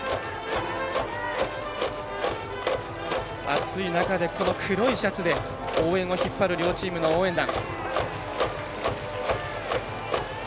暑い中で、黒いシャツで応援を引っ張る両チームの応援団。